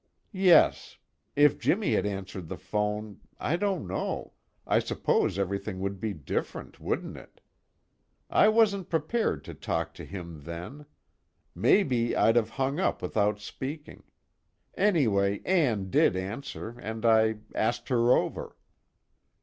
"Yes. If Jimmy had answered the phone, I don't know I suppose everything would be different, wouldn't it? I wasn't prepared to talk to him then. Maybe I'd've hung up without speaking. Anyway Ann did answer, and I asked her over."